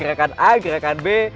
gerakan a gerakan b